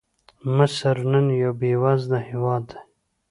مصر نن یو بېوزله هېواد دی.